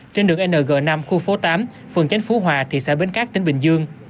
trên đường ng năm khu phố tám phường chánh phú hòa thị xã bến cát tỉnh bình dương